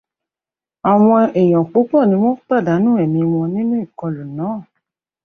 Àwọn èèyàn púpọ̀ ni wọ́n pàdánù ẹmi wọ́n nínú ìkọlù náà.